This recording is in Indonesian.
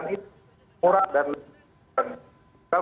itu murah dan lebih murahan